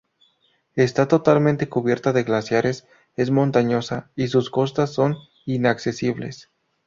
Está totalmente cubierta de glaciares, es montañosa y sus costas son inaccesibles.